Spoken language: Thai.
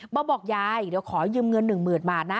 มาบอกยายอีกเดี๋ยวขอยืมเงินหนึ่งหมื่นบาทนะ